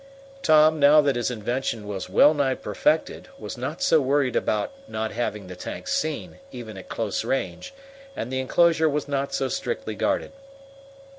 Tom, now that his invention was well nigh perfected, was not so worried about not having the tank seen, even at close range, and the enclosure was not so strictly guarded.